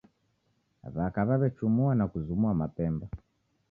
W'aka w'aw'echumua na kuzumua mapemba